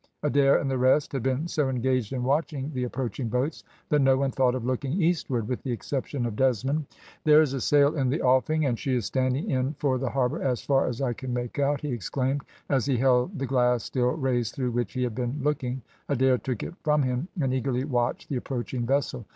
Adair and the rest had been so engaged in watching the approaching boats, that no one thought of looking eastward with the exception of Desmond. "There is a sail in the offing, and she is standing in for the harbour, as far as I can make out," he exclaimed, as he held the glass still raised through which he had been looking. Adair took it from him, and eagerly watched the approaching vessel.